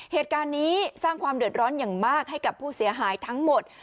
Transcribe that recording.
เหตุการณ์นี้สร้างความเดือดร้อนอย่างมากให้กับผู้เสียหายทั้งหมด